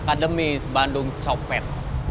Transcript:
akademis bandung copet